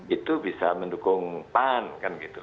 itu bisa mendukung pan kan gitu